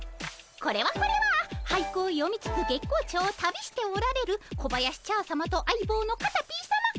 これはこれは俳句を詠みつつ月光町を旅しておられる小林茶さまと相棒のカタピーさま。